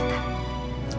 untuk mengaku sekarang